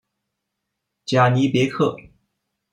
贾尼别克。